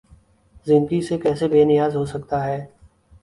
زندگی سے کیسے بے نیاز ہو سکتا ہے؟